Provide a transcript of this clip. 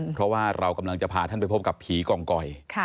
เพราะว่าเรากำลังจะพาท่านไปพบกับผีกองกอย